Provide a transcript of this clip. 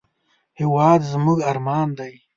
هېواد زموږ ارمان دی